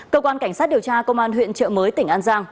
cơ quan cảnh sát điều tra công an huyện trợ mới tỉnh an giang